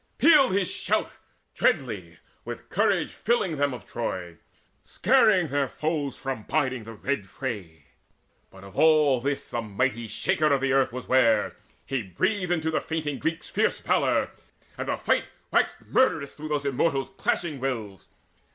Pealed his shout Dreadly, with courage filling them of Troy, Scaring their foes from biding the red fray. But of all this the mighty Shaker of Earth Was ware: he breathed into the fainting Greeks Fierce valour, and the fight waxed murderous Through those Immortals' clashing wills.